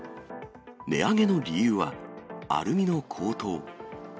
値上げの理由は、アルミの高騰。